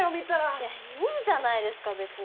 いやいいじゃないですか別に。